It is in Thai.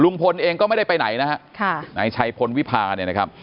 เองก็ไม่ได้ไปไหนนะฮะค่ะนายชัยพลวิพาเนี่ยนะครับ